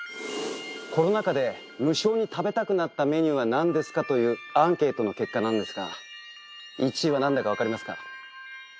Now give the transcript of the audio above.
コロナ禍で無性に食べたくなったメニューは何ですか？というアンケートの結果なんですが１位は何だかわかりますか？